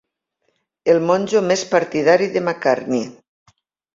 El monjo més partidari de McCartney.